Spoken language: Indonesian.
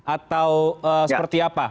atau seperti apa